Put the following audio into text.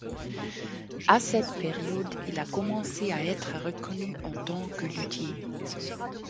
À cette période, il a commencé à être reconnu en tant que luthier.